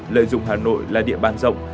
lợi dụng hà nội là địa bàn rộng